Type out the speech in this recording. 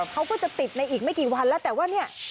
เขาก็จะติดในอีกไม่กี่วันแล้วแต่ว่าเนี่ย